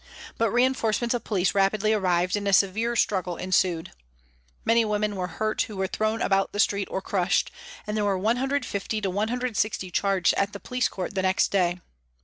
But rein forcements of police rapidly arrived and a severe struggle ensued. Many women were hurt who were thrown about the street or crushed, and there were 150 to 160 charged at the police court the next day.